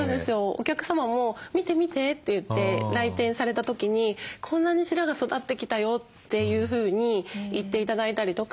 お客様も「見て見て」って言って来店された時に「こんなに白髪育ってきたよ」というふうに言って頂いたりとか。